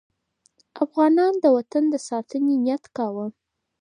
افغانان د وطن د ساتنې نیت کاوه.